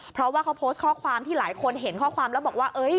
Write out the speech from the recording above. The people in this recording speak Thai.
เพราะว่าเขาโพสต์ข้อความที่หลายคนเห็นข้อความแล้วบอกว่า